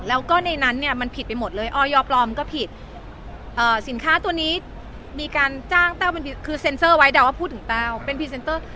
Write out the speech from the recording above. แล้วก็ในนั้นเนี่ยมันผิดไปหมดเลยออยปลอมก็ผิดสินค้าตัวนี้มีการจ้างแต้วเป็นคือเซ็นเซอร์ไว้เดาว่าพูดถึงแต้วเป็นพรีเซนเตอร์